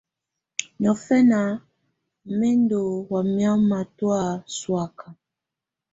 Niɔfɛ̀na mɛ̀ ndù mamɛ̀á matɔ̀́á sɔ̀áka.